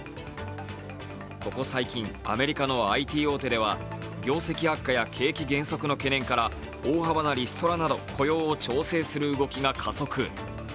ここ最近、アメリカのＩＴ大手では、業績悪化や景気減速の懸念から大幅なリストラなど雇用を調整する動きが加速。